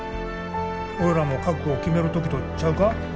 俺らも覚悟を決める時とちゃうか。